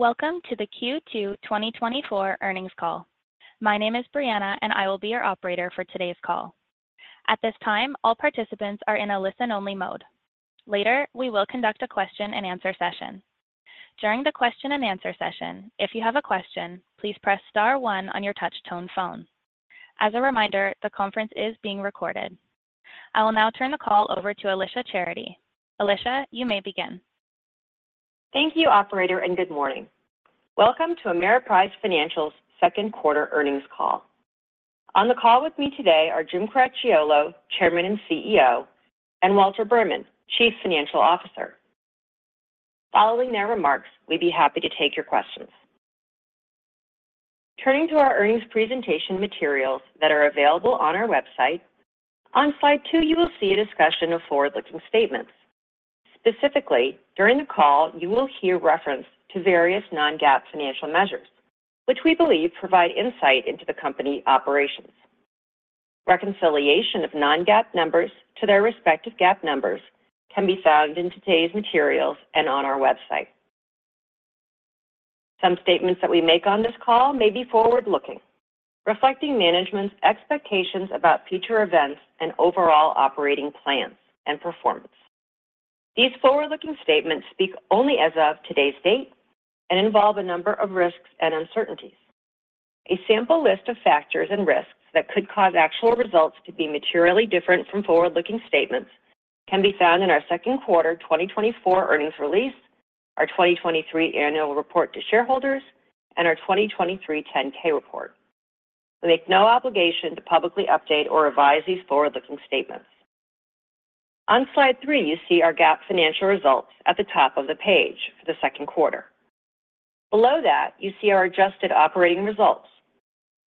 Welcome to the Q2 2024 earnings call. My name is Brianna and I will be your operator for today's call. At this time, all participants are in a listen-only mode. Later, we will conduct a question-and-answer session. During the question-and-answer session, if you have a question, please press star one on your touch-tone phone. As a reminder, the conference is being recorded. I will now turn the call over to Alicia Charity. Alicia, you may begin. Thank you, operator, and good morning. Welcome to Ameriprise Bank Financial's second quarter earnings call. On the call with me today are Jim Cracchiolo, Chairman and CEO, and Walter Berman, Chief Financial Officer. Following their remarks, we'd be happy to take your questions. Turning to our earnings presentation materials that are available on our website, on slide two, you will see a discussion of forward-looking statements. Specifically, during the call, you will hear reference to various non-GAAP financial measures, which we believe provide insight into the company operations. Reconciliation of non-GAAP numbers to their respective GAAP numbers can be found in today's materials and on our website. Some statements that we make on this call may be forward-looking, reflecting management's expectations about future events and overall operating plans and performance. These forward-looking statements speak only as of today's date and involve a number of risks and uncertainties. A sample list of factors and risks that could cause actual results to be materially different from forward-looking statements can be found in our second quarter 2024 earnings release, our 2023 annual report to shareholders, and our 2023 10-K report. We make no obligation to publicly update or revise these forward-looking statements. On slide 3, you see our GAAP financial results at the top of the page for the second quarter. Below that, you see our adjusted operating results,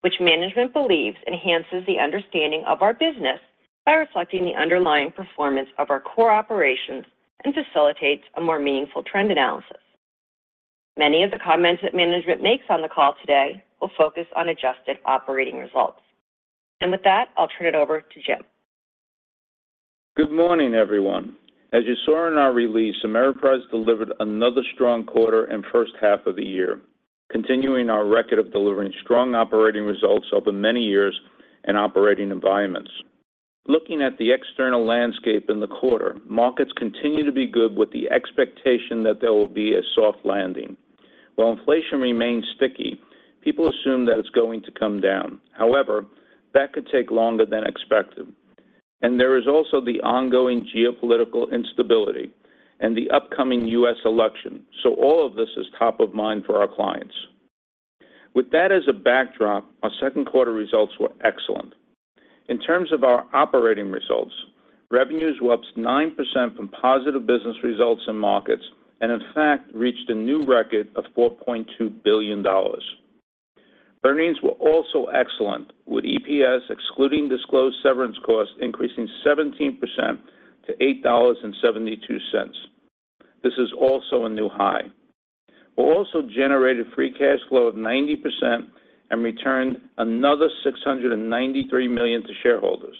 which management believes enhances the understanding of our business by reflecting the underlying performance of our core operations and facilitates a more meaningful trend analysis. Many of the comments that management makes on the call today will focus on adjusted operating results. With that, I'll turn it over to Jim. Good morning, everyone. As you saw in our release, Ameriprise delivered another strong quarter and first half of the year, continuing our record of delivering strong operating results over many years and operating environments. Looking at the external landscape in the quarter, markets continue to be good with the expectation that there will be a soft landing. While inflation remains sticky, people assume that it's going to come down. However, that could take longer than expected. And there is also the ongoing geopolitical instability and the upcoming US election. So all of this is top of mind for our clients. With that as a backdrop, our second quarter results were excellent. In terms of our operating results, revenues were up 9% from positive business results in markets and, in fact, reached a new record of $4.2 billion. Earnings were also excellent, with EPS, excluding disclosed severance costs, increasing 17% to $8.72. This is also a new high. We also generated free cash flow of 90% and returned another $693 million to shareholders.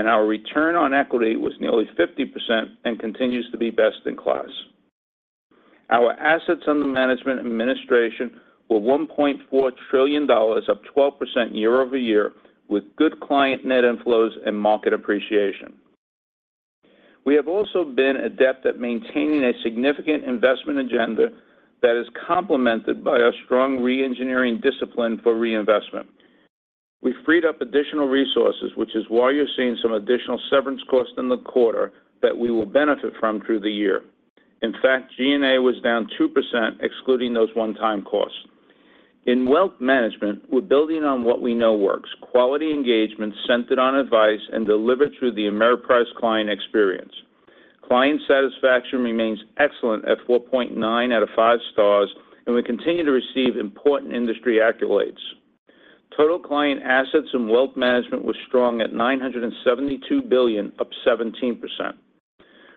Our return on equity was nearly 50% and continues to be best in class. Our assets under management and administration were $1.4 trillion, up 12% year-over-year, with good client net inflows and market appreciation. We have also been adept at maintaining a significant investment agenda that is complemented by our strong re-engineering discipline for reinvestment. We freed up additional resources, which is why you're seeing some additional severance costs in the quarter that we will benefit from through the year. In fact, G&A was down 2%, excluding those one-time costs. In Wealth Management, we're building on what we know works. Quality engagement centered on advice and delivered through the Ameriprise client experience. Client satisfaction remains excellent at 4.9 out of 5 stars, and we continue to receive important industry accolades. Total client assets and Wealth Management were strong at $972 billion, up 17%.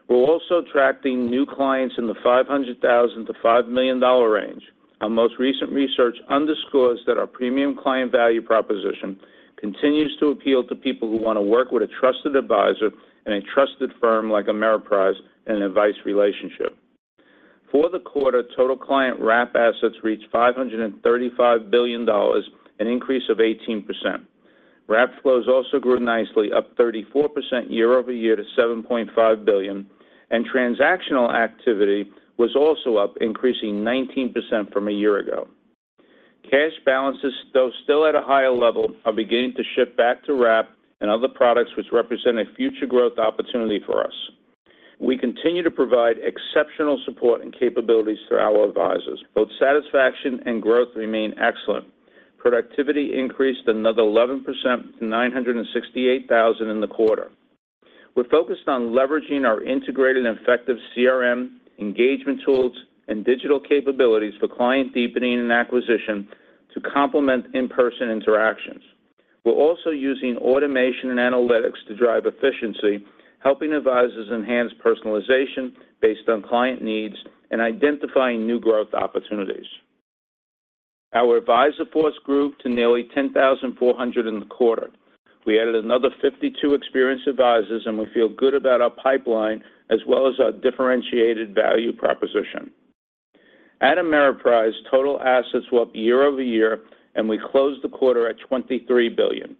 We're also attracting new clients in the $500,000-$5 million range. Our most recent research underscores that our premium client value proposition continues to appeal to people who want to work with a trusted advisor and a trusted firm like Ameriprise in an advice relationship. For the quarter, total client wrap assets reached $535 billion, an increase of 18%. wrap flows also grew nicely, up 34% year over year to $7.5 billion, and transactional activity was also up, increasing 19% from a year ago. Cash balances, though still at a higher level, are beginning to shift back to wrap and other products, which represent a future growth opportunity for us. We continue to provide exceptional support and capabilities through our advisors. Both satisfaction and growth remain excellent. Productivity increased another 11% to $968,000 in the quarter. We're focused on leveraging our integrated and effective CRM engagement tools and digital capabilities for client deepening and acquisition to complement in-person interactions. We're also using automation and analytics to drive efficiency, helping advisors enhance personalization based on client needs and identifying new growth opportunities. Our advisor force grew to nearly 10,400 in the quarter. We added another 52 experienced advisors, and we feel good about our pipeline as well as our differentiated value proposition. At Ameriprise, total assets were up year-over-year, and we closed the quarter at $23 billion.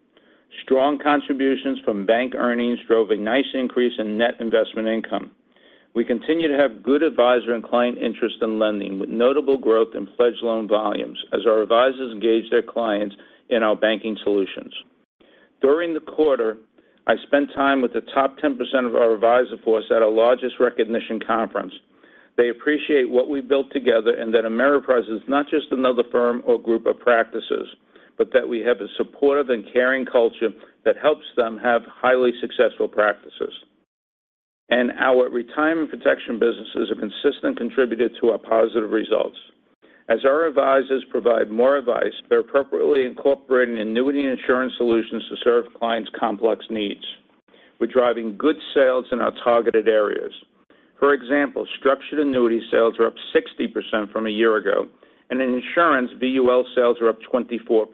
Strong contributions from bank earnings drove a nice increase in net investment income. We continue to have good advisor and client interest in lending, with notable growth in pledged loan volumes as our advisors engage their clients in our banking solutions. During the quarter, I spent time with the top 10% of our advisor force at our largest recognition conference. They appreciate what we built together and that Ameriprise is not just another firm or group of practices, but that we have a supportive and caring culture that helps them have highly successful practices. Our retirement protection businesses have consistently contributed to our positive results. As our advisors provide more advice, they're appropriately incorporating annuity insurance solutions to serve clients' complex needs. We're driving good sales in our targeted areas. For example, structured annuity sales are up 60% from a year ago, and insurance VUL sales are up 24%.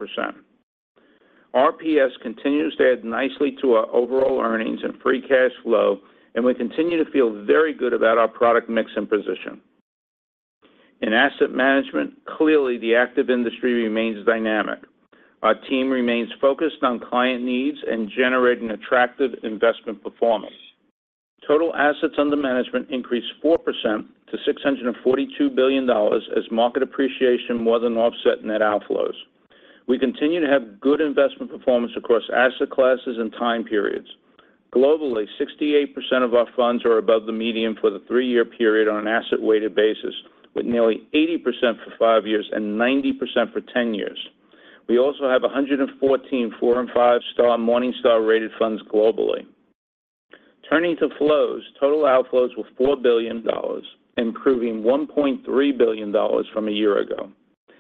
RPS continues to add nicely to our overall earnings and free cash flow, and we continue to feel very good about our product mix and position. In Asset Management, clearly, the active industry remains dynamic. Our team remains focused on client needs and generating attractive investment performance. Total assets under management increased 4% to $642 billion as market appreciation more than offset net outflows. We continue to have good investment performance across asset classes and time periods. Globally, 68% of our funds are above the median for the three-year period on an asset-weighted basis, with nearly 80% for five years and 90% for 10 years. We also have 114 four and five-star Morningstar-rated funds globally. Turning to flows, total outflows were $4 billion, improving $1.3 billion from a year ago,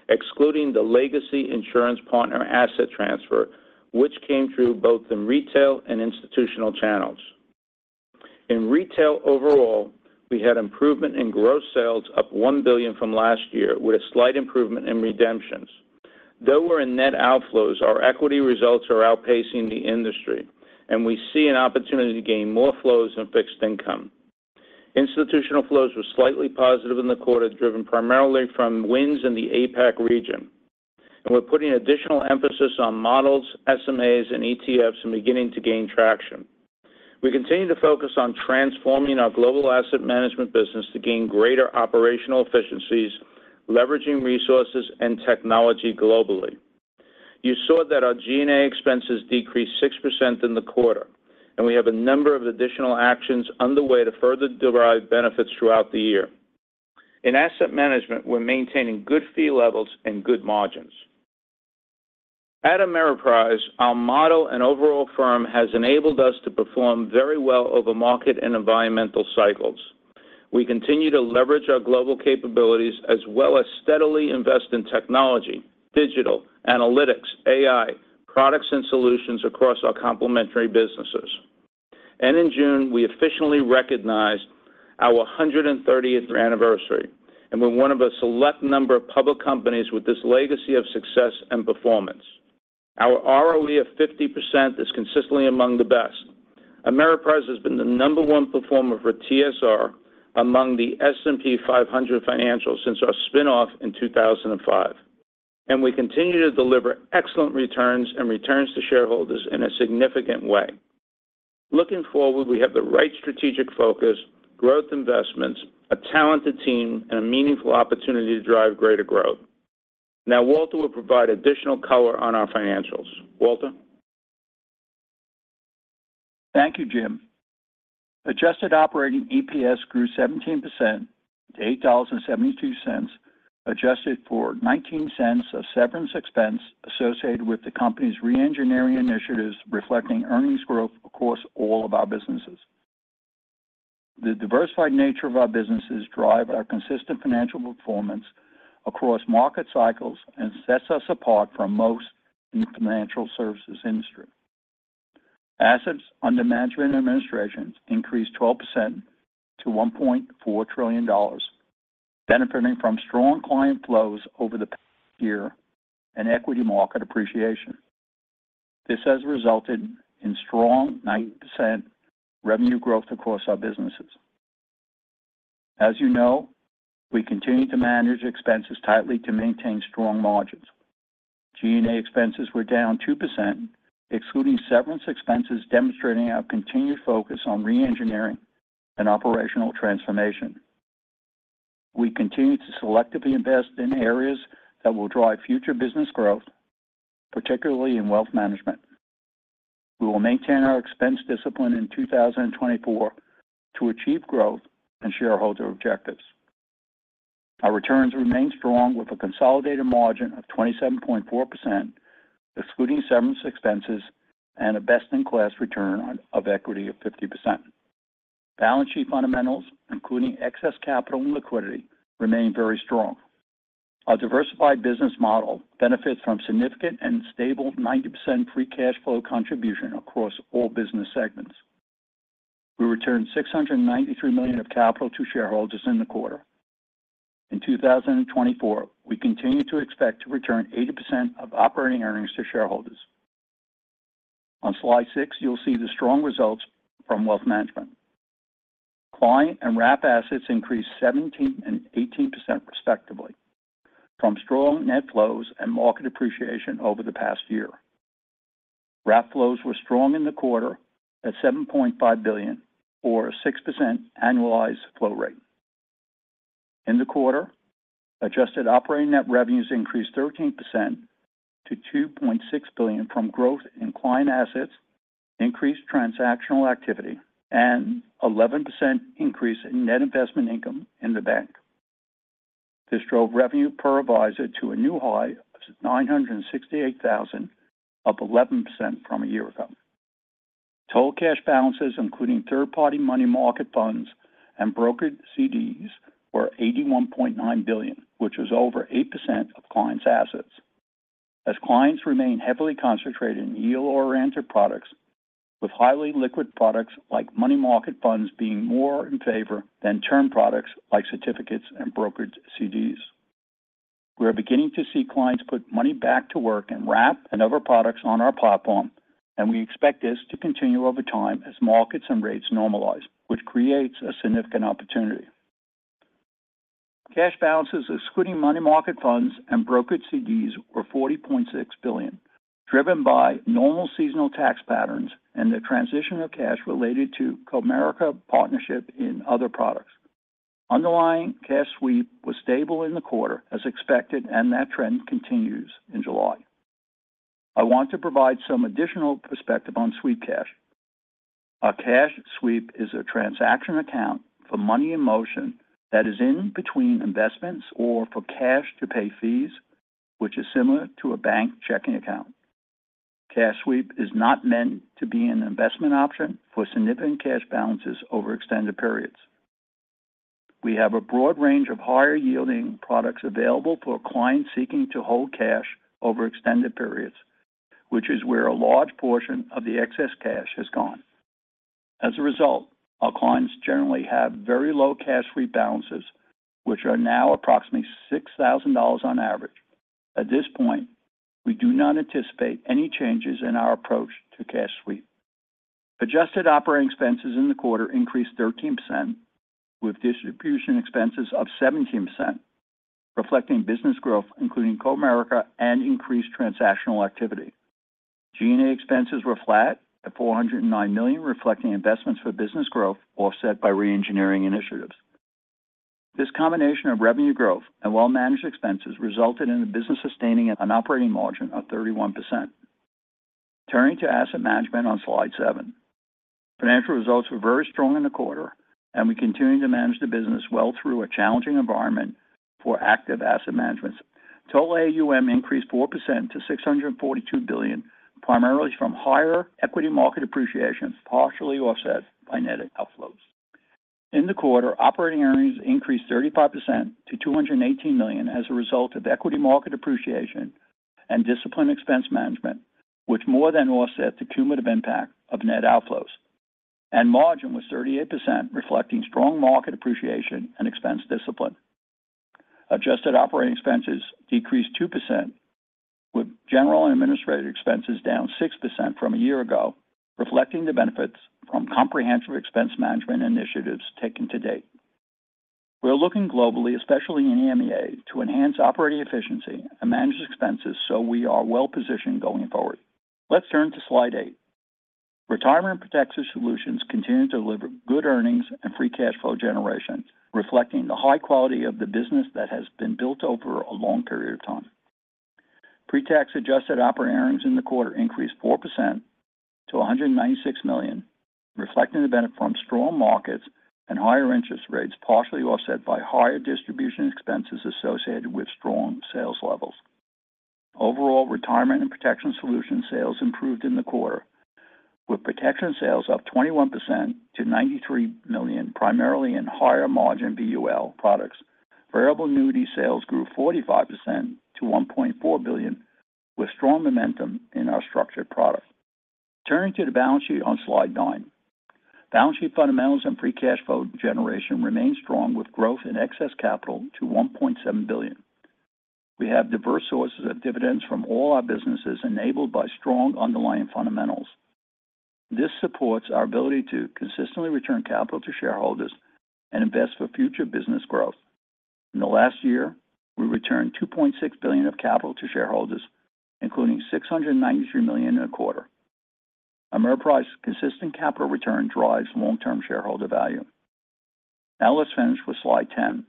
excluding the legacy insurance partner asset transfer, which came through both in retail and institutional channels. In retail overall, we had improvement in gross sales, up $1 billion from last year, with a slight improvement in redemptions. Though we're in net outflows, our equity results are outpacing the industry, and we see an opportunity to gain more flows and fixed income. Institutional flows were slightly positive in the quarter, driven primarily from wins in the APAC region. We're putting additional emphasis on models, SMAs, and ETFs and beginning to gain traction. We continue to focus on transforming our global Asset Management business to gain greater operational efficiencies, leveraging resources and technology globally. You saw that our G&A expenses decreased 6% in the quarter, and we have a number of additional actions underway to further derive benefits throughout the year. In Asset Management, we're maintaining good fee levels and good margins. At Ameriprise, our model and overall firm has enabled us to perform very well over market and environmental cycles. We continue to leverage our global capabilities as well as steadily invest in technology, digital, analytics, AI, products, and solutions across our complementary businesses. In June, we officially recognized our 130th anniversary, and we're one of a select number of public companies with this legacy of success and performance. Our ROE of 50% is consistently among the best. Ameriprise has been the number one performer for TSR among the S&P 500 Financials since our spinoff in 2005. We continue to deliver excellent returns and returns to shareholders in a significant way. Looking forward, we have the right strategic focus, growth investments, a talented team, and a meaningful opportunity to drive greater growth. Now, Walter will provide additional color on our financials. Walter? Thank you, Jim. Adjusted operating EPS grew 17% to $8.72, adjusted for $0.19 of severance expense associated with the company's re-engineering initiatives, reflecting earnings growth across all of our businesses. The diversified nature of our businesses drives our consistent financial performance across market cycles and sets us apart from most in the financial services industry. Assets under management and administration increased 12% to $1.4 trillion, benefiting from strong client flows over the past year and equity market appreciation. This has resulted in strong 90% revenue growth across our businesses. As you know, we continue to manage expenses tightly to maintain strong margins. G&A expenses were down 2%, excluding severance expenses, demonstrating our continued focus on re-engineering and operational transformation. We continue to selectively invest in areas that will drive future business growth, particularly in Wealth Management. We will maintain our expense discipline in 2024 to achieve growth and shareholder objectives. Our returns remain strong with a consolidated margin of 27.4%, excluding severance expenses, and a best-in-class return on equity of 50%. Balance sheet fundamentals, including excess capital and liquidity, remain very strong. Our diversified business model benefits from significant and stable 90% free cash flow contribution across all business segments. We returned $693 million of capital to shareholders in the quarter. In 2024, we continue to expect to return 80% of operating earnings to shareholders. On slide six, you'll see the strong results from Wealth Management. Client and wrap assets increased 17% and 18%, respectively, from strong net flows and market appreciation over the past year. Wrap flows were strong in the quarter at $7.5 billion, or a 6% annualized flow rate. In the quarter, adjusted operating net revenues increased 13% to $2.6 billion from growth in client assets, increased transactional activity, and an 11% increase in net investment income in the bank. This drove revenue per advisor to a new high of $968,000, up 11% from a year ago. Total cash balances, including third-party money market funds and brokered CDs, were $81.9 billion, which was over 8% of clients' assets. As clients remain heavily concentrated in yield-oriented products, with highly liquid products like money market funds being more in favor than term products like certificates and brokered CDs. We are beginning to see clients put money back to work in wrap and other products on our platform, and we expect this to continue over time as markets and rates normalize, which creates a significant opportunity. Cash balances, excluding money market funds and brokered CDs, were $40.6 billion, driven by normal seasonal tax patterns and the transition of cash related to Comerica partnership in other products. Underlying cash sweep was stable in the quarter, as expected, and that trend continues in July. I want to provide some additional perspective on sweep cash. A cash sweep is a transaction account for money in motion that is in between investments or for cash to pay fees, which is similar to a bank checking account. Cash sweep is not meant to be an investment option for significant cash balances over extended periods. We have a broad range of higher-yielding products available for clients seeking to hold cash over extended periods, which is where a large portion of the excess cash has gone. As a result, our clients generally have very low cash sweep balances, which are now approximately $6,000 on average. At this point, we do not anticipate any changes in our approach to cash sweep. Adjusted operating expenses in the quarter increased 13%, with distribution expenses up 17%, reflecting business growth, including Comerica and increased transactional activity. G&A expenses were flat at $409 million, reflecting investments for business growth offset by re-engineering initiatives. This combination of revenue growth and well-managed expenses resulted in the business sustaining an operating margin of 31%. Turning to Asset Management on slide seven, financial results were very strong in the quarter, and we continue to manage the business well through a challenging environment for active Asset Management. Total AUM increased 4% to $642 billion, primarily from higher equity market appreciation, partially offset by net outflows. In the quarter, operating earnings increased 35% to $218 million as a result of equity market appreciation and discipline expense management, which more than offset the cumulative impact of net outflows. Margin was 38%, reflecting strong market appreciation and expense discipline. Adjusted operating expenses decreased 2%, with general and administrative expenses down 6% from a year ago, reflecting the benefits from comprehensive expense management initiatives taken to date. We're looking globally, especially in EMEA, to enhance operating efficiency and manage expenses so we are well-positioned going forward. Let's turn to slide 8. Retirement & Protection Solutions continue to deliver good earnings and free cash flow generation, reflecting the high quality of the business that has been built over a long period of time. Pretax adjusted operating earnings in the quarter increased 4% to $196 million, reflecting the benefit from strong markets and higher interest rates, partially offset by higher distribution expenses associated with strong sales levels. Overall, retirement and protection solution sales improved in the quarter, with protection sales up 21% to $93 million, primarily in higher margin VUL products. Variable annuity sales grew 45% to $1.4 billion, with strong momentum in our structured product. Turning to the balance sheet on slide nine, balance sheet fundamentals and free cash flow generation remain strong, with growth in excess capital to $1.7 billion. We have diverse sources of dividends from all our businesses enabled by strong underlying fundamentals. This supports our ability to consistently return capital to shareholders and invest for future business growth. In the last year, we returned $2.6 billion of capital to shareholders, including $693 million in the quarter. Ameriprise's consistent capital return drives long-term shareholder value. Now let's finish with slide 10.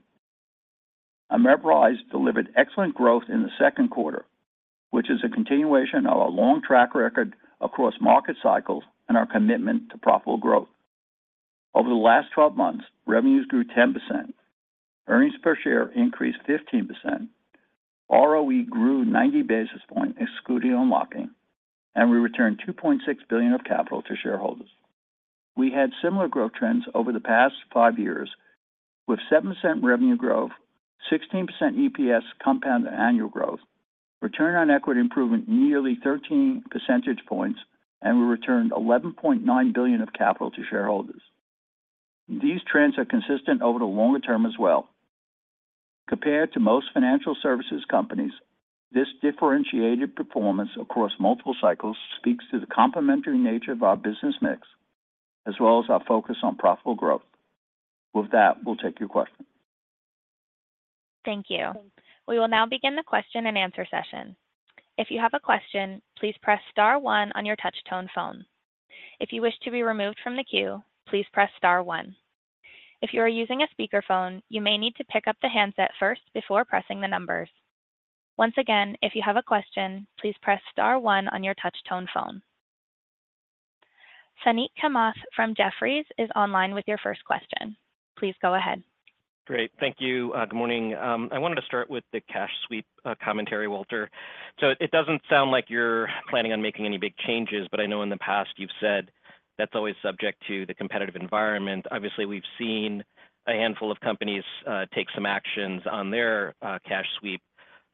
Ameriprise delivered excellent growth in the second quarter, which is a continuation of our long track record across market cycles and our commitment to profitable growth. Over the last 12 months, revenues grew 10%. Earnings per share increased 15%. ROE grew 90 basis points, excluding unlocking, and we returned $2.6 billion of capital to shareholders. We had similar growth trends over the past five years, with 7% revenue growth, 16% EPS compounded annual growth, return on equity improvement nearly 13 percentage points, and we returned $11.9 billion of capital to shareholders. These trends are consistent over the longer term as well. Compared to most financial services companies, this differentiated performance across multiple cycles speaks to the complementary nature of our business mix, as well as our focus on profitable growth. With that, we'll take your questions. Thank you. We will now begin the question and answer session. If you have a question, please press star one on your touchtone phone. If you wish to be removed from the queue, please press star one. If you are using a speakerphone, you may need to pick up the handset first before pressing the numbers. Once again, if you have a question, please press star one on your touchtone phone. Suneet Kamath from Jefferies is online with your first question. Please go ahead. Great. Thank you. Good morning. I wanted to start with the cash sweep commentary, Walter. So it doesn't sound like you're planning on making any big changes, but I know in the past you've said that's always subject to the competitive environment. Obviously, we've seen a handful of companies take some actions on their cash sweep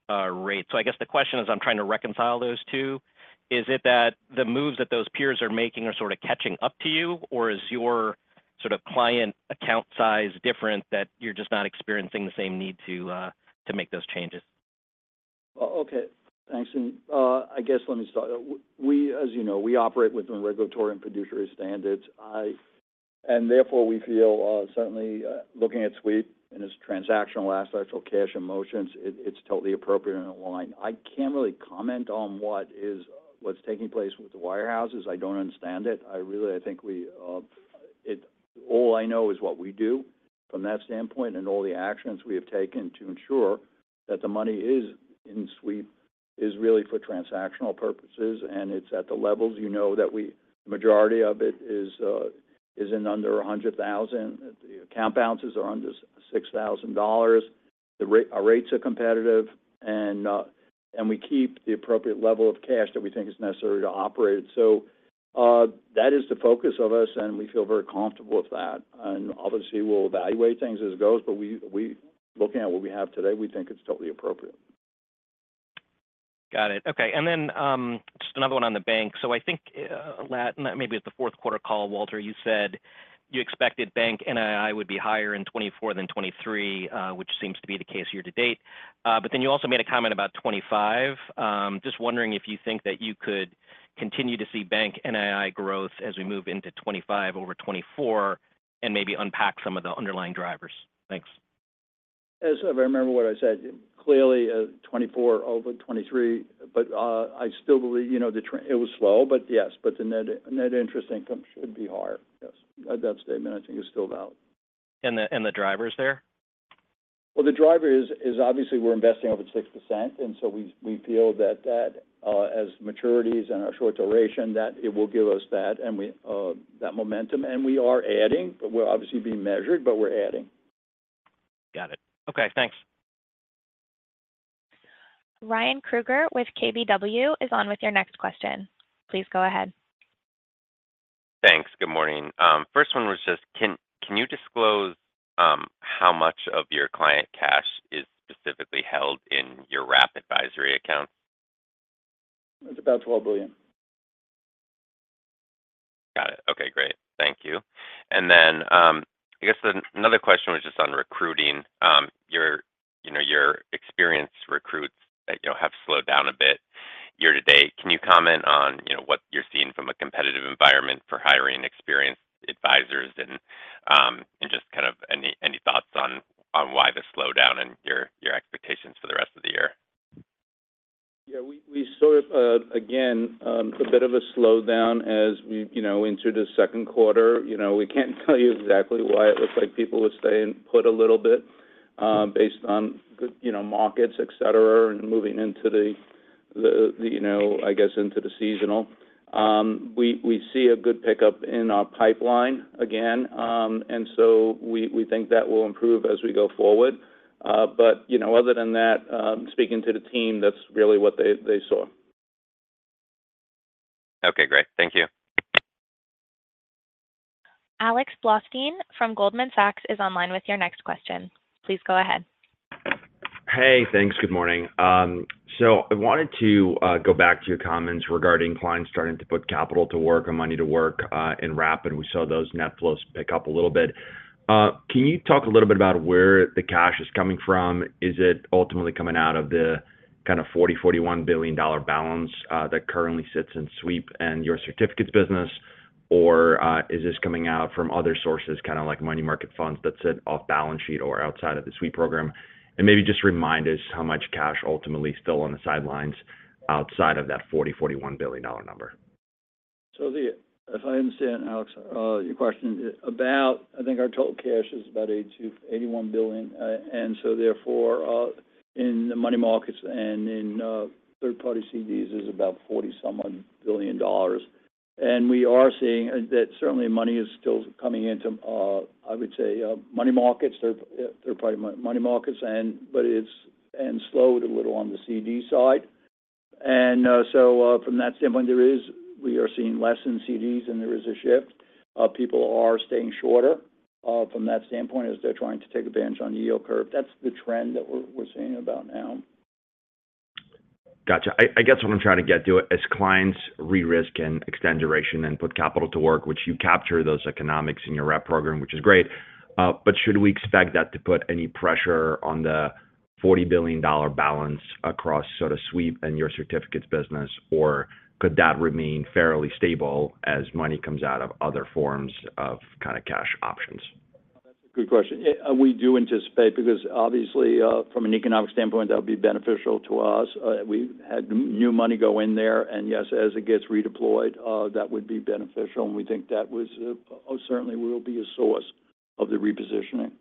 rate. So I guess the question is, I'm trying to reconcile those two. Is it that the moves that those peers are making are sort of catching up to you, or is your sort of client account size different that you're just not experiencing the same need to make those changes? Well, okay. Thanks. I guess let me start. As you know, we operate within regulatory and fiduciary standards. And therefore, we feel certainly looking at sweep and its transactional aspect for cash in motions, it's totally appropriate and aligned. I can't really comment on what's taking place with the wirehouses. I don't understand it. I really think all I know is what we do from that standpoint and all the actions we have taken to ensure that the money is in sweep is really for transactional purposes, and it's at the levels you know that the majority of it is in under $100,000. The account balances are under $6,000. Our rates are competitive, and we keep the appropriate level of cash that we think is necessary to operate. So that is the focus of us, and we feel very comfortable with that. Obviously, we'll evaluate things as it goes, but looking at what we have today, we think it's totally appropriate. Got it. Okay. And then just another one on the bank. So I think maybe at the fourth quarter call, Walter, you said you expected bank NII would be higher in 2024 than 2023, which seems to be the case year to date. But then you also made a comment about 2025. Just wondering if you think that you could continue to see bank NII growth as we move into 2025 over 2024 and maybe unpack some of the underlying drivers. Thanks. As I remember what I said, clearly 2024 over 2023, but I still believe it was slow, but yes, but the net interest income should be higher. Yes. That statement, I think, is still valid. The driver's there? Well, the driver is obviously we're investing over 6%, and so we feel that as maturities and our short duration, that it will give us that momentum. And we are adding, but we're obviously being measured, but we're adding. Got it. Okay. Thanks. Ryan Krueger with KBW is on with your next question. Please go ahead. Thanks. Good morning. First one was just, can you disclose how much of your client cash is specifically held in your wrap advisory accounts? It's about $12 billion. Got it. Okay. Great. Thank you. And then I guess another question was just on recruiting. Your experienced recruits have slowed down a bit year to date. Can you comment on what you're seeing from a competitive environment for hiring experienced advisors and just kind of any thoughts on why the slowdown and your expectations for the rest of the year? Yeah. We sort of, again, a bit of a slowdown as we entered the second quarter. We can't tell you exactly why it looks like people were staying put a little bit based on markets, etc., and moving into, I guess, into the seasonal. We see a good pickup in our pipeline again, and so we think that will improve as we go forward. But other than that, speaking to the team, that's really what they saw. Okay. Great. Thank you. Alex Blostein from Goldman Sachs is online with your next question. Please go ahead. Hey, thanks. Good morning. So I wanted to go back to your comments regarding clients starting to put capital to work or money to work in wrap, and we saw those net flows pick up a little bit. Can you talk a little bit about where the cash is coming from? Is it ultimately coming out of the kind of $40-$41 billion balance that currently sits in sweep and your certificates business, or is this coming out from other sources, kind of like money market funds that sit off balance sheet or outside of the sweep program? And maybe just remind us how much cash ultimately is still on the sidelines outside of that $40-$41 billion number. So if I understand, Alex, your question is about, I think our total cash is about $81 billion. And so therefore, in the money markets and in third-party CDs, it's about $40-something billion. And we are seeing that certainly money is still coming into, I would say, money markets, third-party money markets, but it's slowed a little on the CD side. And so from that standpoint, we are seeing less in CDs, and there is a shift. People are staying shorter from that standpoint as they're trying to take advantage on the yield curve. That's the trend that we're seeing about now. Gotcha. I guess what I'm trying to get to is clients re-risk and extend duration and put capital to work, which you capture those economics in your wrap program, which is great. But should we expect that to put any pressure on the $40 billion balance across sort of sweep and your certificates business, or could that remain fairly stable as money comes out of other forms of kind of cash options? That's a good question. We do anticipate because obviously, from an economic standpoint, that would be beneficial to us. We had new money go in there, and yes, as it gets redeployed, that would be beneficial. And we think that certainly will be a source of the repositioning.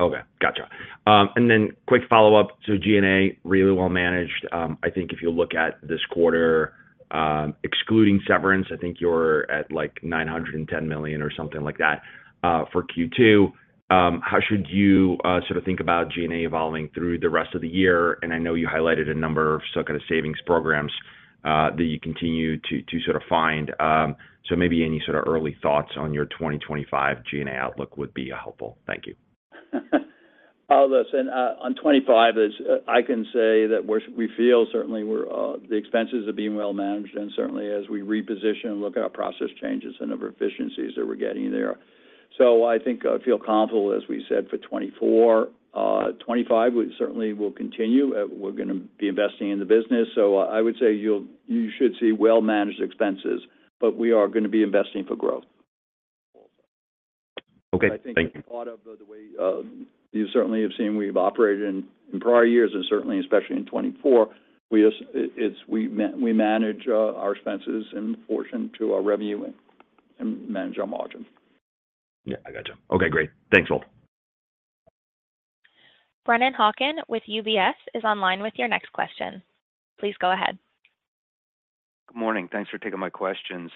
Okay. Gotcha. And then quick follow-up. So G&A really well-managed. I think if you look at this quarter, excluding severance, I think you're at like $910 million or something like that for Q2. How should you sort of think about G&A evolving through the rest of the year? And I know you highlighted a number of kind of savings programs that you continue to sort of find. So maybe any sort of early thoughts on your 2025 G&A outlook would be helpful. Thank you. Oh, listen, on 2025, I can say that we feel certainly the expenses are being well-managed, and certainly as we reposition, look at our process changes and other efficiencies that we're getting there. So I think I feel confident, as we said, for 2024. 2025, we certainly will continue. We're going to be investing in the business. So I would say you should see well-managed expenses, but we are going to be investing for growth. Okay. Thank you. I think part of the way you certainly have seen we've operated in prior years, and certainly especially in 2024, we manage our expenses in proportion to our revenue and manage our margins. Yeah. I gotcha. Okay. Great. Thanks, Walt. Brennan Hawken with UBS is online with your next question. Please go ahead. Good morning. Thanks for taking my questions.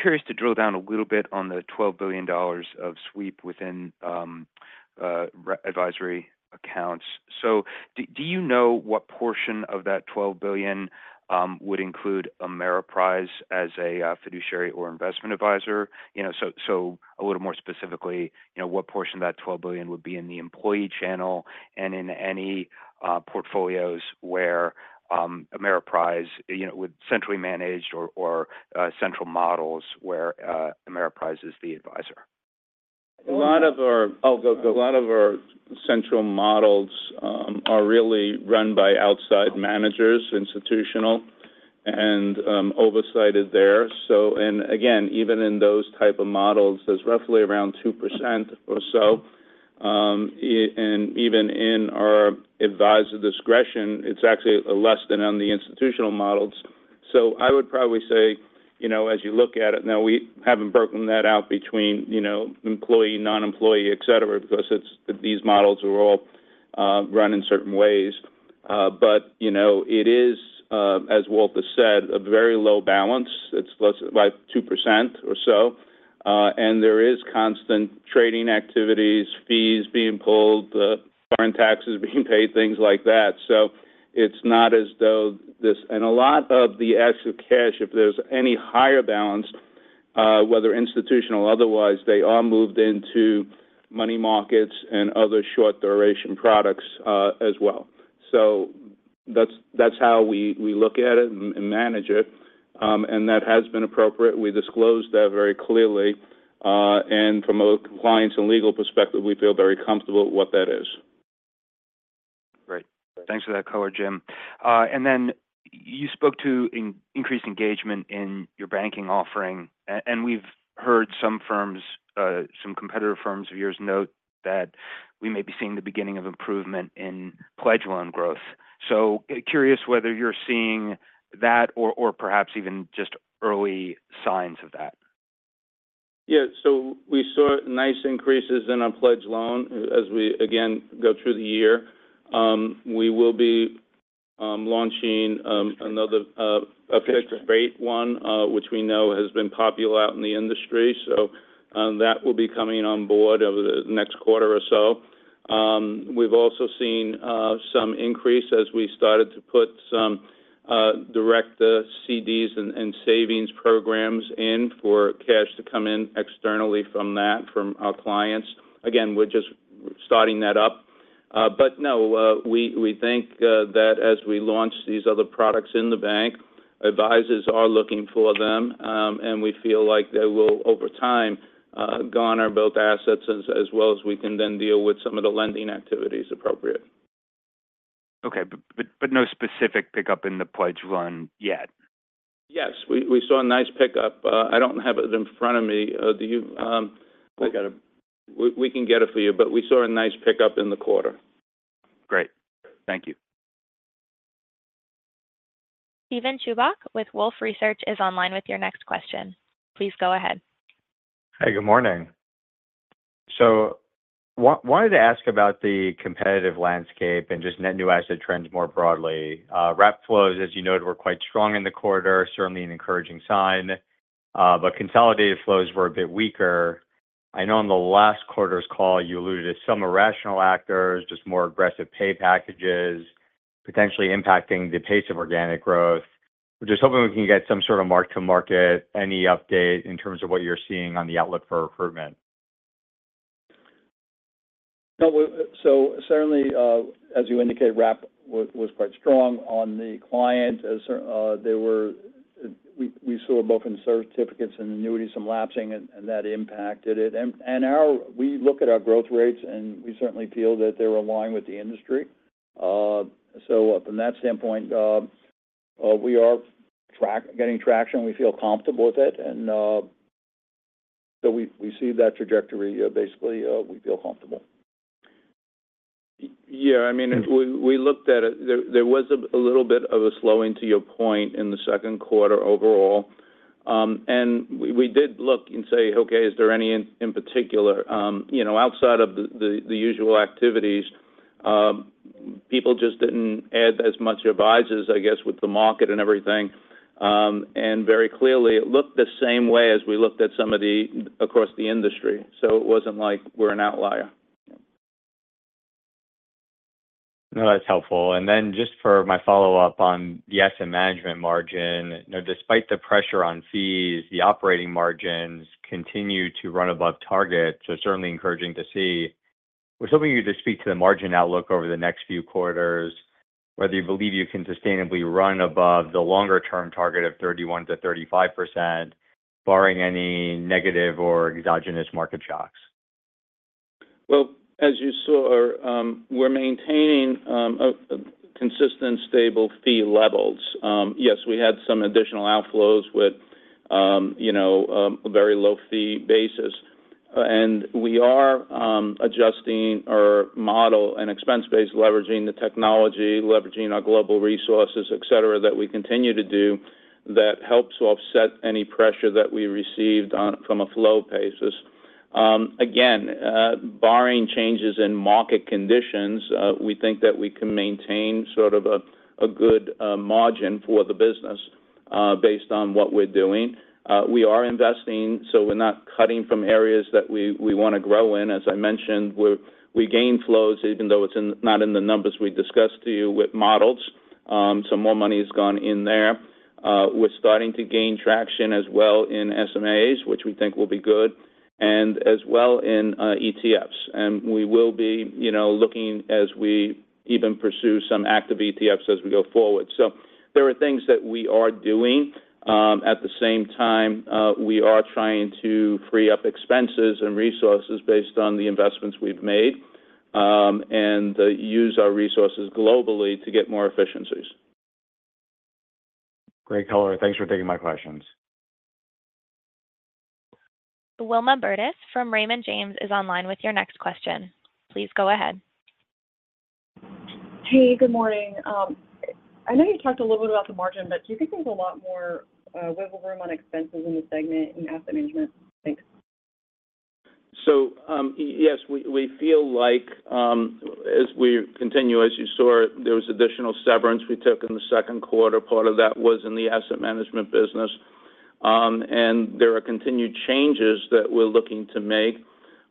Curious to drill down a little bit on the $12 billion of sweep within advisory accounts. So do you know what portion of that $12 billion would include Ameriprise as a fiduciary or investment advisor? So a little more specifically, what portion of that $12 billion would be in the employee channel and in any portfolios where Ameriprise would centrally manage or central models where Ameriprise is the advisor? A lot of our central models are really run by outside managers, institutional, and oversight is there. And again, even in those types of models, there's roughly around 2% or so. And even in our advisor discretion, it's actually less than on the institutional models. So I would probably say, as you look at it, now, we haven't broken that out between employee, non-employee, etc., because these models are all run in certain ways. But it is, as Walt has said, a very low balance. It's less by 2% or so. And there is constant trading activities, fees being pulled, foreign taxes being paid, things like that. So it's not as though this and a lot of the active cash, if there's any higher balance, whether institutional or otherwise, they are moved into money markets and other short-duration products as well. That's how we look at it and manage it. That has been appropriate. We disclosed that very clearly. From a compliance and legal perspective, we feel very comfortable with what that is. Great. Thanks for that, CEO Jim. Then you spoke to increased engagement in your banking offering. We've heard some competitor firms of yours note that we may be seeing the beginning of improvement in pledged loan growth. Curious whether you're seeing that or perhaps even just early signs of that? Yeah. So we saw nice increases in our pledged loan as we, again, go through the year. We will be launching another fixed-rate one, which we know has been popular out in the industry. So that will be coming on board over the next quarter or so. We've also seen some increase as we started to put some direct CDs and savings programs in for cash to come in externally from that, from our clients. Again, we're just starting that up. But no, we think that as we launch these other products in the bank, advisors are looking for them, and we feel like they will, over time, garner both assets as well as we can then deal with some of the lending activities appropriate. Okay. But no specific pickup in the pledge run yet? Yes. We saw a nice pickup. I don't have it in front of me. Do you? We can get it for you, but we saw a nice pickup in the quarter. Great. Thank you. Steven Chubak with Wolfe Research is online with your next question. Please go ahead. Hey, good morning. So wanted to ask about the competitive landscape and just net new asset trends more broadly. Wrap flows, as you noted, were quite strong in the quarter, certainly an encouraging sign. But consolidated flows were a bit weaker. I know on the last quarter's call, you alluded to some irrational actors, just more aggressive pay packages potentially impacting the pace of organic growth. We're just hoping we can get some sort of mark-to-market, any update in terms of what you're seeing on the outlook for recruitment? So certainly, as you indicate, wrap was quite strong on the client. We saw both in certificates and annuities collapsing, and that impacted it. And we look at our growth rates, and we certainly feel that they're aligned with the industry. So from that standpoint, we are getting traction. We feel comfortable with it. And so we see that trajectory. Basically, we feel comfortable. Yeah. I mean, we looked at it. There was a little bit of a slowing, to your point, in the second quarter overall. And we did look and say, "Okay, is there any in particular?" Outside of the usual activities, people just didn't add as much advisors, I guess, with the market and everything. And very clearly, it looked the same way as we looked at some of the across the industry. So it wasn't like we're an outlier. No, that's helpful. Then just for my follow-up on the Asset Management margin, despite the pressure on fees, the operating margins continue to run above target. Certainly encouraging to see. We're hoping you to speak to the margin outlook over the next few quarters, whether you believe you can sustainably run above the longer-term target of 31%-35%, barring any negative or exogenous market shocks. Well, as you saw, we're maintaining consistent, stable fee levels. Yes, we had some additional outflows with a very low fee basis. We are adjusting our model and expense-based, leveraging the technology, leveraging our global resources, etc., that we continue to do that helps offset any pressure that we received from a flow basis. Again, barring changes in market conditions, we think that we can maintain sort of a good margin for the business based on what we're doing. We are investing, so we're not cutting from areas that we want to grow in. As I mentioned, we gained flows, even though it's not in the numbers we discussed to you with models. More money has gone in there. We're starting to gain traction as well in SMAs, which we think will be good, and as well in ETFs. We will be looking as we even pursue some active ETFs as we go forward. There are things that we are doing. At the same time, we are trying to free up expenses and resources based on the investments we've made and use our resources globally to get more efficiencies. Great, color. Thanks for taking my questions. Wilma Burdis from Raymond James is online with your next question. Please go ahead. Hey, good morning. I know you talked a little bit about the margin, but do you think there's a lot more wiggle room on expenses in the segment in Asset Management? Thanks. So yes, we feel like as we continue, as you saw, there was additional severance we took in the second quarter. Part of that was in the Asset Management business. There are continued changes that we're looking to make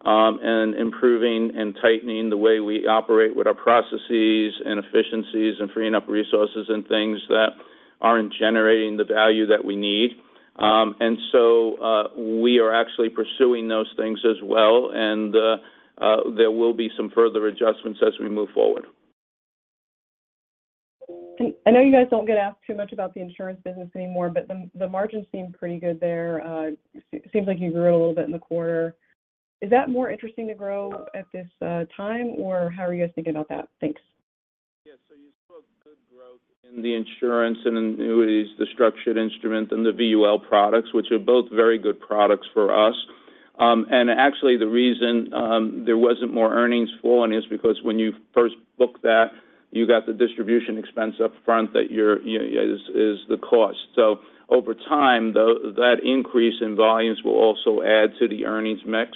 and improving and tightening the way we operate with our processes and efficiencies and freeing up resources and things that aren't generating the value that we need. So we are actually pursuing those things as well. There will be some further adjustments as we move forward. I know you guys don't get asked too much about the insurance business anymore, but the margins seem pretty good there. It seems like you grew it a little bit in the quarter. Is that more interesting to grow at this time, or how are you guys thinking about that? Thanks. Yeah. So you saw good growth in the insurance and annuities, the structured instruments, and the VUL products, which are both very good products for us. And actually, the reason there wasn't more earnings flowing is because when you first booked that, you got the distribution expense upfront that is the cost. So over time, that increase in volumes will also add to the earnings mix.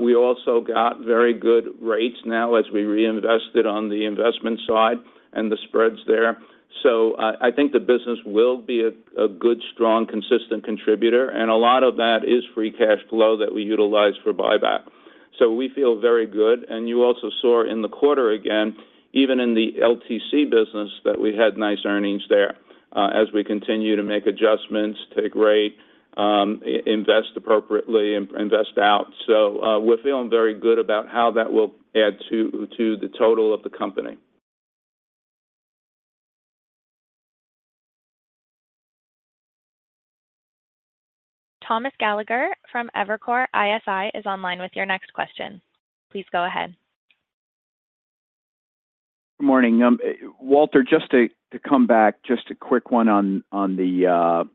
We also got very good rates now as we reinvested on the investment side and the spreads there. So I think the business will be a good, strong, consistent contributor. And a lot of that is free cash flow that we utilize for buyback. So we feel very good. And you also saw in the quarter again, even in the LTC business, that we had nice earnings there as we continue to make adjustments, take rate, invest appropriately, invest out. We're feeling very good about how that will add to the total of the company. Thomas Gallagher from Evercore ISI is online with your next question. Please go ahead. Good morning. Walter, just to come back, just a quick one on the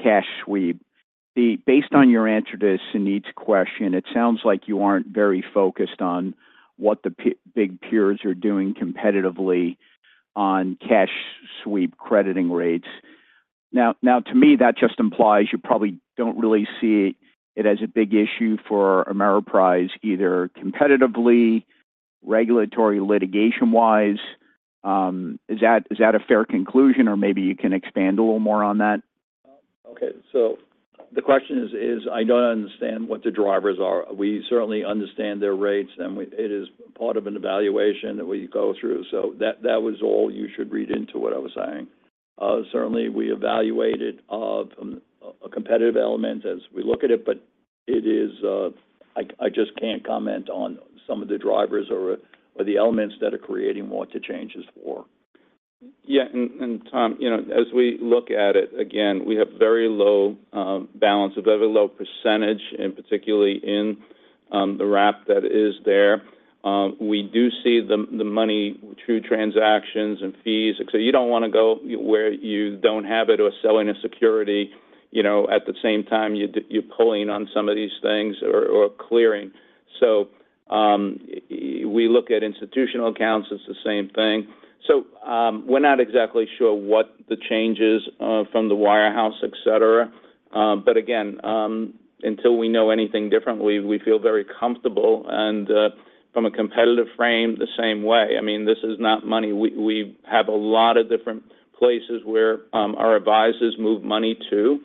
cash sweep. Based on your answer to Suneet's question, it sounds like you aren't very focused on what the big peers are doing competitively on cash sweep crediting rates. Now, to me, that just implies you probably don't really see it as a big issue for Ameriprise either competitively, regulatory, litigation-wise. Is that a fair conclusion, or maybe you can expand a little more on that? Okay. So the question is, I don't understand what the drivers are. We certainly understand their rates, and it is part of an evaluation that we go through. So that was all you should read into what I was saying. Certainly, we evaluate it of a competitive element as we look at it, but I just can't comment on some of the drivers or the elements that are creating what the change is for. Yeah. And Tom, as we look at it, again, we have very low balance, a very low percentage, and particularly in the wrap that is there. We do see the money through transactions and fees. So you don't want to go where you don't have it or selling a security at the same time you're pulling on some of these things or clearing. So we look at institutional accounts. It's the same thing. So we're not exactly sure what the change is from the wirehouse, etc. But again, until we know anything different, we feel very comfortable. From a competitive frame, the same way. I mean, this is not money. We have a lot of different places where our advisors move money to.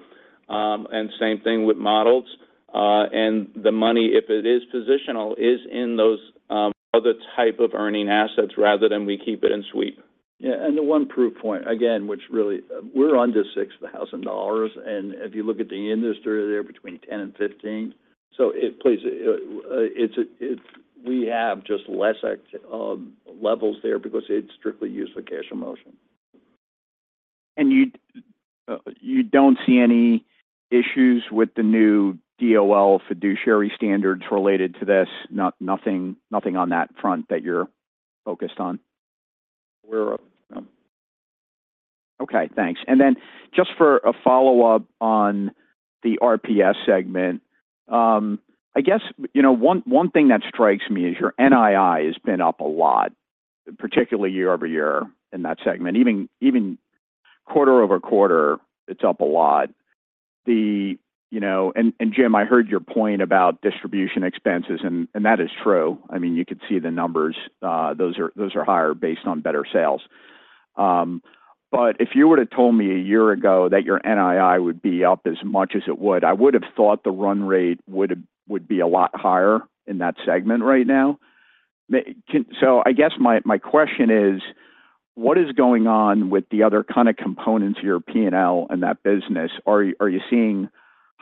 Same thing with models. The money, if it is positional, is in those other types of earning assets rather than we keep it in sweep. Yeah. The one proof point, again, which really we're under $6,000. If you look at the industry, they're between $10,000-$15,000. So please, we have just less levels there because it's strictly used for cash position. You don't see any issues with the new DOL fiduciary standards related to this? Nothing on that front that you're focused on? We're up. No. Okay. Thanks. And then just for a follow-up on the RPS segment, I guess one thing that strikes me is your NII has been up a lot, particularly year-over-year in that segment. Even quarter-over-quarter, it's up a lot. And Jim, I heard your point about distribution expenses, and that is true. I mean, you could see the numbers. Those are higher based on better sales. But if you were to tell me a year ago that your NII would be up as much as it would, I would have thought the run rate would be a lot higher in that segment right now. So I guess my question is, what is going on with the other kind of components of your P&L in that business? Are you seeing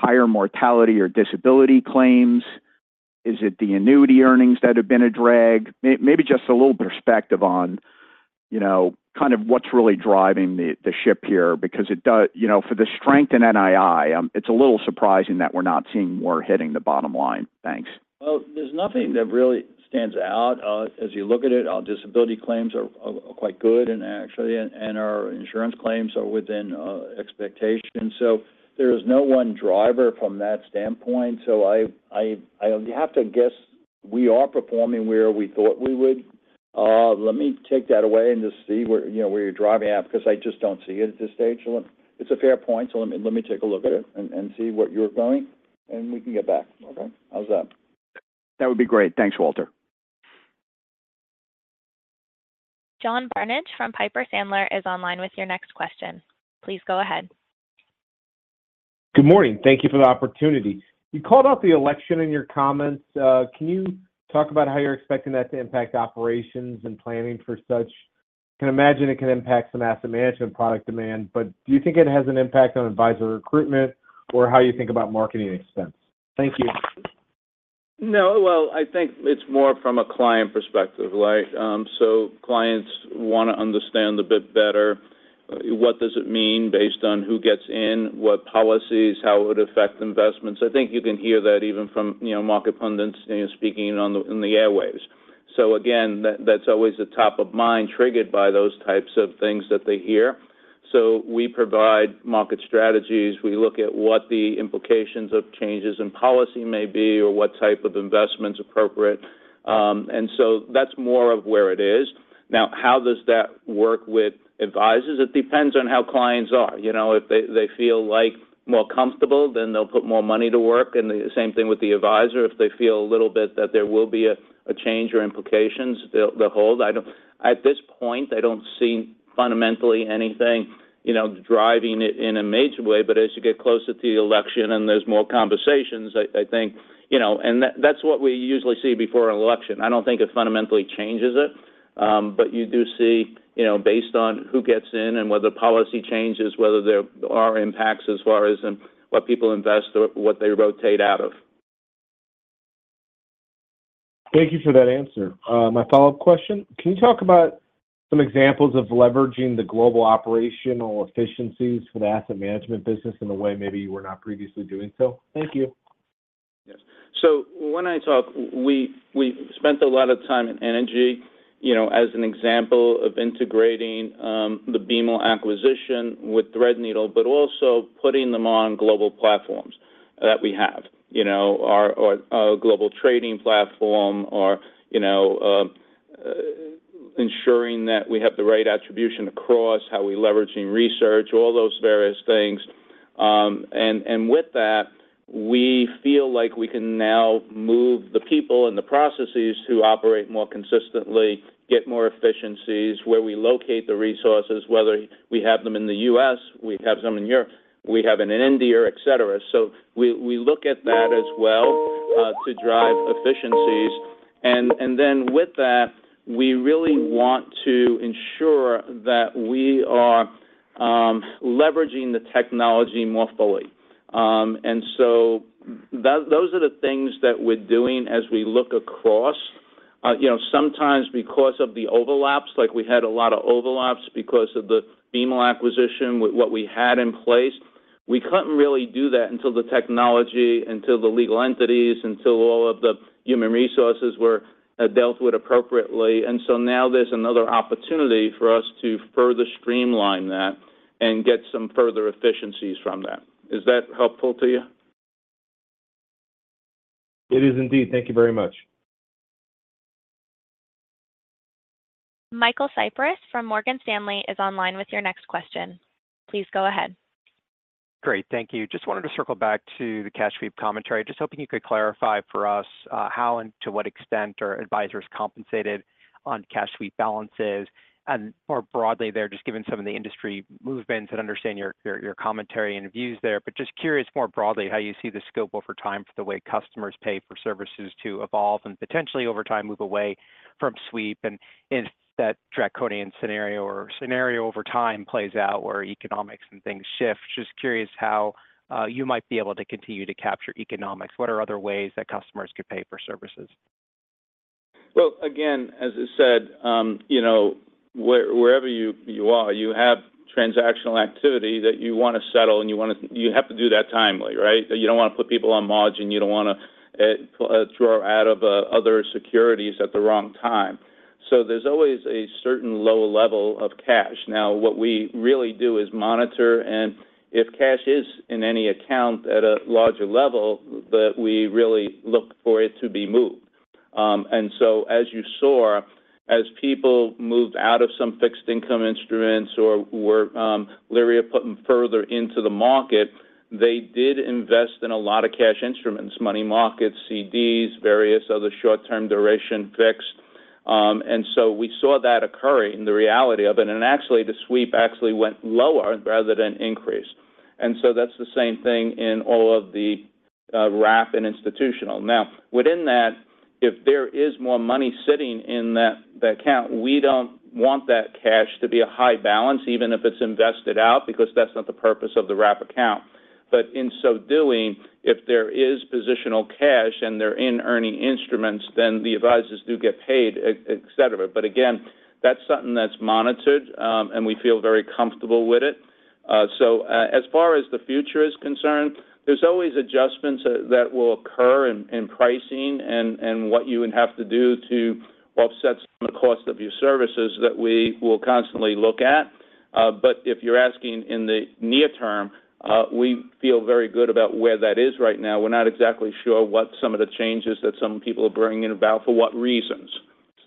higher mortality or disability claims? Is it the annuity earnings that have been a drag? Maybe just a little perspective on kind of what's really driving the ship here because for the strength in NII, it's a little surprising that we're not seeing more hitting the bottom line. Thanks. Well, there's nothing that really stands out. As you look at it, our disability claims are quite good, and actually, and our insurance claims are within expectations. So there is no one driver from that standpoint. So I have to guess we are performing where we thought we would. Let me take that away and just see where you're driving at because I just don't see it at this stage. It's a fair point. So let me take a look at it and see what you're going, and we can get back. Okay? How's that? That would be great. Thanks, Walter. John Barnidge from Piper Sandler is online with your next question. Please go ahead. Good morning. Thank you for the opportunity. You called out the election in your comments. Can you talk about how you're expecting that to impact operations and planning for such? Can imagine it can impact some Asset Management product demand, but do you think it has an impact on advisor recruitment or how you think about marketing expense? Thank you. No. Well, I think it's more from a client perspective. So clients want to understand a bit better what does it mean based on who gets in, what policies, how it would affect investments. I think you can hear that even from market pundits speaking in the airwaves. So again, that's always the top of mind triggered by those types of things that they hear. So we provide market strategies. We look at what the implications of changes in policy may be or what type of investment's appropriate. And so that's more of where it is. Now, how does that work with advisors? It depends on how clients are. If they feel more comfortable, then they'll put more money to work. And the same thing with the advisor. If they feel a little bit that there will be a change or implications, they'll hold. At this point, I don't see fundamentally anything driving it in a major way. But as you get closer to the election and there's more conversations, I think and that's what we usually see before an election. I don't think it fundamentally changes it, but you do see based on who gets in and whether policy changes, whether there are impacts as far as what people invest or what they rotate out of. Thank you for that answer. My follow-up question. Can you talk about some examples of leveraging the global operational efficiencies for the Asset Management business in a way maybe you were not previously doing so? Thank you. Yes. So when I talk, we spent a lot of time and energy as an example of integrating the BMO acquisition with Threadneedle, but also putting them on global platforms that we have or a global trading platform or ensuring that we have the right attribution across how we leverage research, all those various things. And with that, we feel like we can now move the people and the processes to operate more consistently, get more efficiencies where we locate the resources, whether we have them in the U.S., we have some in Europe, we have in India, etc. So we look at that as well to drive efficiencies. And then with that, we really want to ensure that we are leveraging the technology more fully. And so those are the things that we're doing as we look across. Sometimes because of the overlaps, like we had a lot of overlaps because of the BMO acquisition, what we had in place, we couldn't really do that until the technology, until the legal entities, until all of the human resources were dealt with appropriately. And so now there's another opportunity for us to further streamline that and get some further efficiencies from that. Is that helpful to you? It is indeed. Thank you very much. Michael Cyprys from Morgan Stanley is online with your next question. Please go ahead. Great. Thank you. Just wanted to circle back to the cash sweep commentary. Just hoping you could clarify for us how and to what extent are advisors compensated on cash sweep balances? And more broadly, they're just giving some of the industry movements and understand your commentary and views there. But just curious more broadly how you see the scope over time for the way customers pay for services to evolve and potentially over time move away from sweep? And if that draconian scenario or scenario over time plays out where economics and things shift, just curious how you might be able to continue to capture economics? What are other ways that customers could pay for services? Well, again, as I said, wherever you are, you have transactional activity that you want to settle, and you have to do that timely, right? You don't want to put people on margin. You don't want to draw out of other securities at the wrong time. So there's always a certain low level of cash. Now, what we really do is monitor. And if cash is in any account at a larger level, we really look for it to be moved. And so as you saw, as people moved out of some fixed income instruments or were leery of putting further into the market, they did invest in a lot of cash instruments, money markets, CDs, various other short-term duration fixed. And so we saw that occurring in the reality of it. And actually, the sweep actually went lower rather than increased. And so that's the same thing in all of the wrap and institutional. Now, within that, if there is more money sitting in that account, we don't want that cash to be a high balance, even if it's invested out, because that's not the purpose of the wrap account. But in so doing, if there is positional cash and they're in earning instruments, then the advisors do get paid, etc. But again, that's something that's monitored, and we feel very comfortable with it. So as far as the future is concerned, there's always adjustments that will occur in pricing and what you would have to do to offset the cost of your services that we will constantly look at. But if you're asking in the near term, we feel very good about where that is right now. We're not exactly sure what some of the changes that some people are bringing about for what reasons.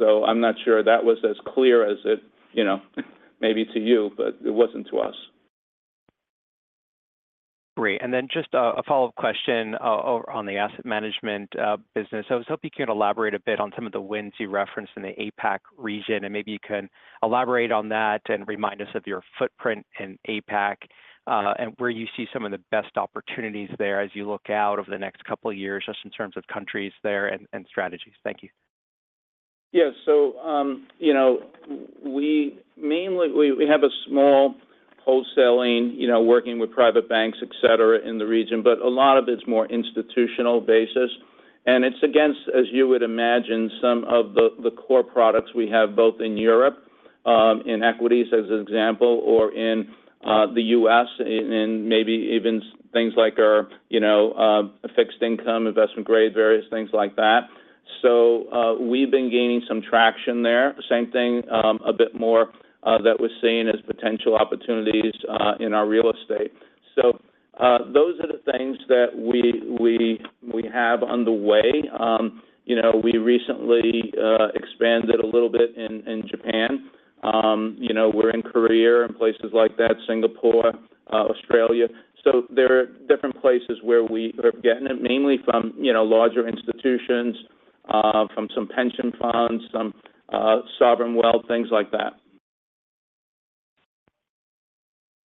I'm not sure that was as clear as it may be to you, but it wasn't to us. Great. And then just a follow-up question on the Asset Management business. I was hoping you could elaborate a bit on some of the wins you referenced in the APAC region. And maybe you can elaborate on that and remind us of your footprint in APAC and where you see some of the best opportunities there as you look out over the next couple of years just in terms of countries there and strategies. Thank you. Yeah. So we have a small wholesaling working with private banks, etc., in the region, but a lot of it's more institutional basis. And it's against, as you would imagine, some of the core products we have both in Europe in equities as an example or in the US and maybe even things like our fixed income, investment grade, various things like that. So we've been gaining some traction there. Same thing a bit more that we're seeing as potential opportunities in our real estate. So those are the things that we have on the way. We recently expanded a little bit in Japan. We're in Korea and places like that, Singapore, Australia. So there are different places where we are getting it, mainly from larger institutions, from some pension funds, some sovereign wealth, things like that.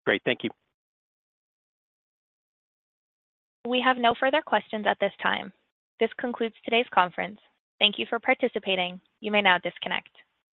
Great. Thank you. We have no further questions at this time. This concludes today's conference. Thank you for participating. You may now disconnect.